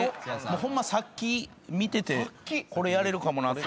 ホンマさっき見ててこれやれるかもなって。